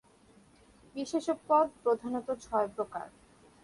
বিশেষ্য পদ প্রধানত ছয় প্রকার।